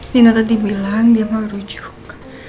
nino tadi bilang dia mau rujuk